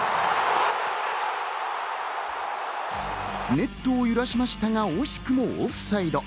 ネットを揺らしましたが、惜しくもオフサイド。